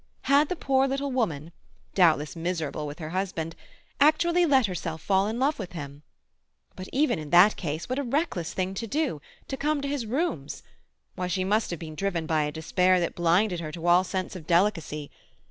Had the poor little woman—doubtless miserable with her husband—actually let herself fall in love with him? But, even in that case, what a reckless thing to do—to come to his rooms! Why, she must have been driven by a despair that blinded her to all sense of delicacy!